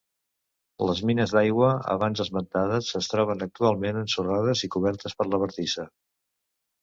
Les mines d'aigua, abans esmentades, es troben actualment ensorrades i cobertes per la bardissa.